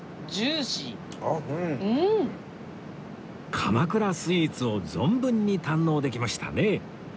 鎌倉スイーツを存分に堪能できましたね